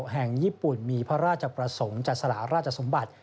แห่งญี่ปุ่นมีพระราชประสงค์จัดสลาราชสมบัติ